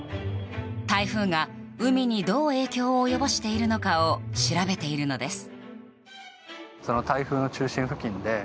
台風が、海にどう影響を及ぼしているのかを調べているのです。